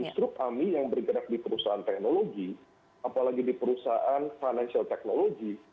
karena kami yang bergerak di perusahaan teknologi apalagi di perusahaan financial technology